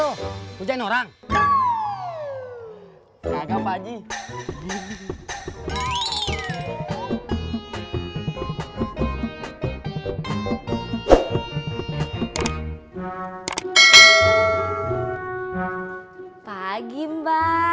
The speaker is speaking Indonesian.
oh jangan di rainy